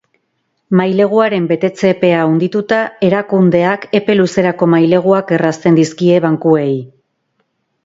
Maileguaren betetze-epea handituta, erakundeak epe luzerako maileguak errazten dizkie bankuei.